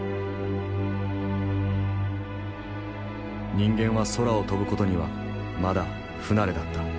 人間は空を飛ぶ事にはまだ不慣れだった。